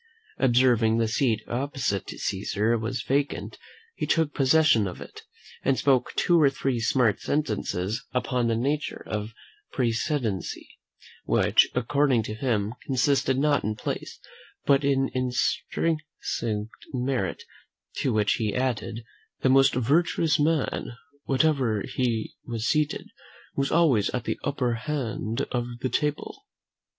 Observing the seat opposite to Caesar was vacant, he took possession of it, and spoke two or three smart sentences upon the nature of precedency, which, according to him, consisted not in place, but in intrinsic merit: to which he added, "that the most virtuous man, wherever he was seated, was always at the upper end of the table."